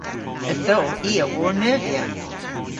Ytho i a wor neuvya.